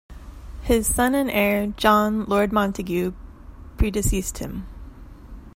His son and heir, John, Lord Montagu, predeceased him.